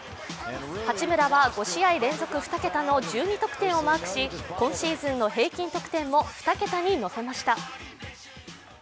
八村は５試合連続２桁の１２得点をマークし今シーズンの平均得点も２桁に乗せました。